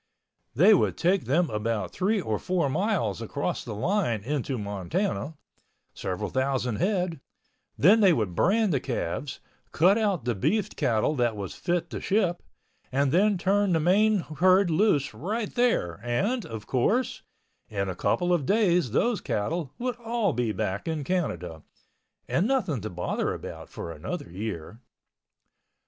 They would take them about three or four miles across the line into Montana—several thousand head—then they would brand the calves, cut out the beef cattle that was fit to ship—and then turn the main herd loose right there and, of course, in a couple of days those cattle would all be back in Canada, and nothing to bother about for another year.